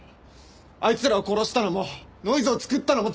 あいつらを殺したのもノイズを作ったのも全部！